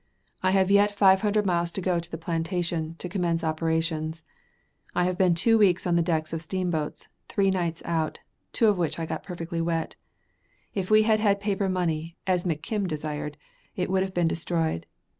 I have yet five hundred miles to go to the plantation, to commence operations. I have been two weeks on the decks of steamboats, three nights out, two of which I got perfectly wet. If I had had paper money, as McKim desired, it would have been destroyed.